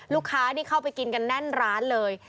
ลูกค้านี่เข้าไปกินกันแน่นร้านเลย